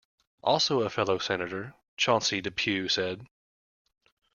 Also a fellow Senator, Chauncey Depew, said.